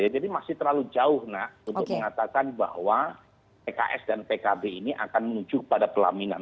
jadi masih terlalu jauh nak untuk mengatakan bahwa pks dan pkb ini akan menuju ke kelaminan